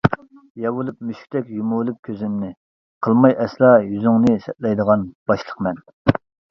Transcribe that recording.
يەۋېلىپلا مۈشۈكتەك يۇمۇۋېلىپ كۆزۈمنى، قىلماي ئەسلا يۈزۈڭنى سەتلەيدىغان باشلىقمەن.